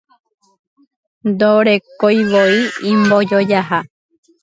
Ndorekoivoi imbojojaha